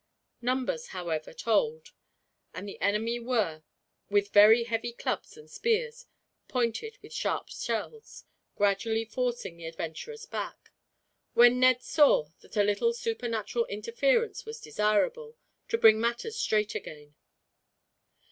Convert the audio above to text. Numbers, however, told; and the enemy were, with very heavy clubs and spears, pointed with sharp shells, gradually forcing the adventurers back; when Ned saw that a little supernatural interference was desirable, to bring matters straight again.